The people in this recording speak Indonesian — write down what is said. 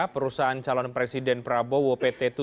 sejujurnya yang diperoleh oleh ase